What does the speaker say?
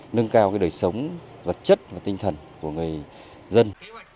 nâng cao đời sống vật chất và tinh thần của người dân